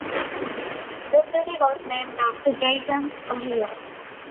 The city was named after Dayton, Ohio.